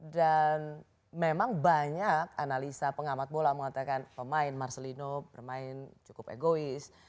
dan memang banyak analisa pengamat bola mengatakan pemain marcelino pemain cukup egois